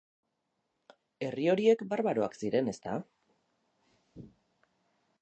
Herri horiek barbaroak ziren, ezta?